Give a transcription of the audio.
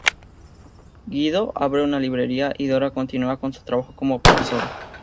Guido abre una librería y Dora continúa con su trabajo como profesora.